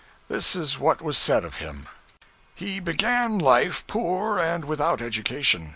This is what was said of him He began life poor and without education.